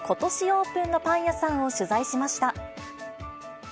オープンのパン屋さんを取材しました。